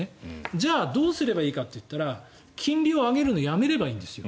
じゃあどうすればいいかといったら金利を上げるのをやめればいいんですよ。